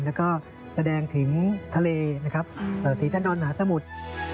และก็แสดงถึงทะเลนะครับสีทะนอนหาสมุทร